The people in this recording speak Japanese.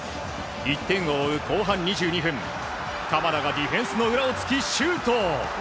１点を追う後半２２分鎌田がディフェンスの裏を突きシュート。